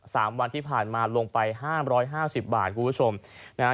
สามวันที่ผ่านมาลงไปห้ามร้อยห้าสิบบาทคุณผู้ชมนะฮะ